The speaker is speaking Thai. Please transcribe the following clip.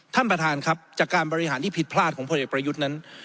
ท่านประธานครับจากการบริหารที่ผิดพลาดของพลเอกประยุทธ์นั้น